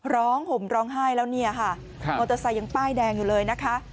ห่มร้องไห้แล้วเนี่ยค่ะมอเตอร์ไซค์ยังป้ายแดงอยู่เลยนะคะ